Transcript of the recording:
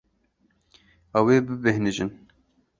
Ew ê bibêhnijin.